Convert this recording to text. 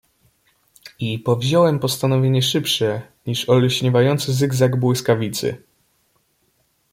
"I powziąłem postanowienie szybsze niż olśniewający zygzak błyskawicy."